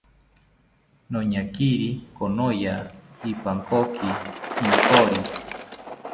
Añakiri konoya ipankoki inkori